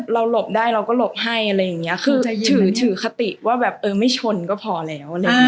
เราหลบได้เราก็หลบให้คือถือคติว่าไม่ชนก็พอแล้ว